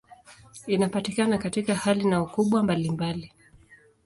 Inapatikana katika hali na ukubwa mbalimbali.